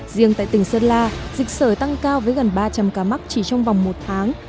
riêng tại tỉnh sơn la dịch sở tăng cao với gần ba trăm linh ca mắc chỉ trong vòng một tháng